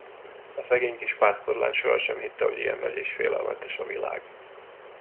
A szegény kis pásztorlány sohasem hitte, hogy ilyen nagy és félelmetes a világ.